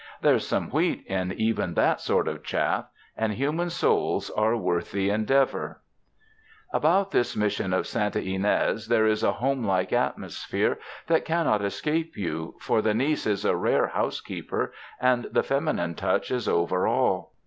There's some wheat in ovon that sort of chaff, and human souls are worth the endeavor." 173 UNDER THE SKY IN CALIFORNIA About this Mission of Santa Ynes there is a home like atmosphere that cannot escape you, for the niece is a rare housekeeper, and the feminine touch is over all.